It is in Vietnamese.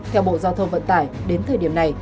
theo bộ giao thông vận tải đến thời điểm này